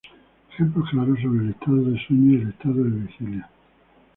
Ejemplos claros son el estado de sueño y el estado de vigilia.